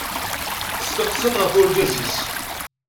Testeqsa-t ɣef urgaz-is.